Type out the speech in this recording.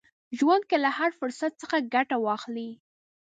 ژوند کې له هر فرصت څخه ګټه واخلئ.